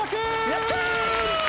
やったー！